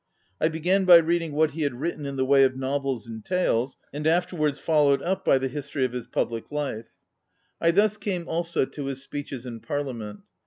I began by reading what he had written in the way of novels and tales, and after wards followed up the history of his ON READING public life. I thus came also to his speeches in Parliament.